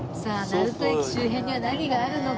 成東駅周辺には何があるのか？